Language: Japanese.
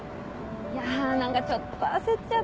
いや何かちょっと焦っちゃった。